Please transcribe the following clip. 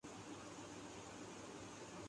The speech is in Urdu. حضور یار ہوئی دفتر جنوں کی طلب